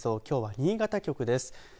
きょうは新潟局です。